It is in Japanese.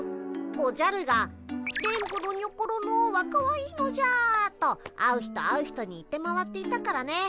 おじゃるが「電ボのにょころのはかわいいのじゃ」と会う人会う人に言って回っていたからね。